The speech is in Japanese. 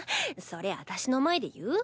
それ私の前で言う？